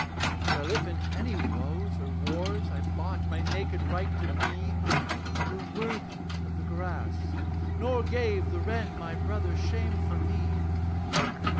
Well, if in any woes or wars I bought my naked right to be, Grew worthy of the grass, nor gave The wren, my brother, shame for me.